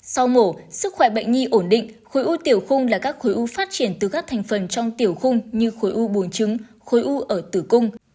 sau mổ sức khỏe bệnh nhi ổn định khối u tiểu là các khối u phát triển từ các thành phần trong tiểu khung như khối u bùn trứng khối u ở tử cung